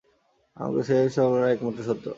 আমার কাছে এখনকার সরলাই একমাত্র সত্য।